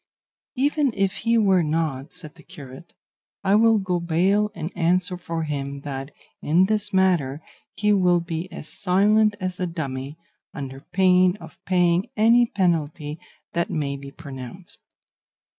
"Even if he were not," said the curate, "I will go bail and answer for him that in this matter he will be as silent as a dummy, under pain of paying any penalty that may be pronounced."